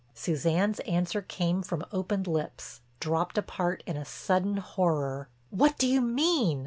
Suzanne's answer came from opened lips, dropped apart in a sudden horror: "What do you mean?